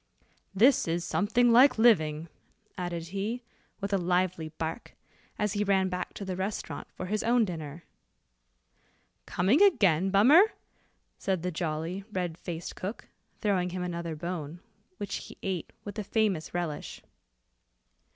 "This is something like living," added he, with a lively bark, as he ran back to the restaurant for his own dinner. "Coming again, Bummer?" said the jolly, red faced cook, throwing him another bone, which he ate with a famous relish.